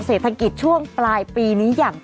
แล้วนั้นคุณก็จะได้รับเงินเข้าแอปเป๋าตังค์